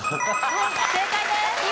正解です。